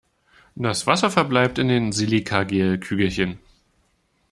Das Wasser verbleibt in den Silicagel-Kügelchen.